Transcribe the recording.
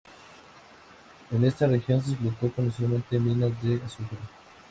En esta región se explotó comercialmente minas de azufre.